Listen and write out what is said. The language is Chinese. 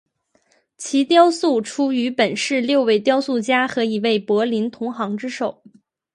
其雕塑出于本市六位雕塑家和一位柏林同行之手。